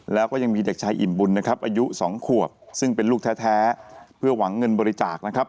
แล้วก็ยังมีเด็กชายอิ่มบุญนะครับอายุสองขวบซึ่งเป็นลูกแท้เพื่อหวังเงินบริจาคนะครับ